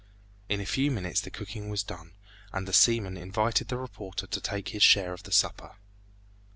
In a few minutes the cooking was done, and the seaman invited the reporter to take his share of the supper.